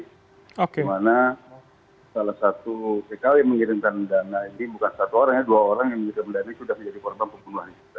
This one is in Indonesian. di mana salah satu pkw yang mengirimkan dana ini bukan satu orang hanya dua orang yang melayani sudah menjadi korban pembunuhan kita